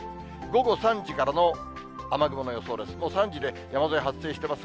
午後３時からの雨雲の予想です。